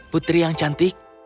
putri yang cantik